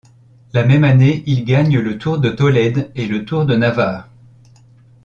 La même année, il gagne le Tour de Tolède et le Tour de Navarre.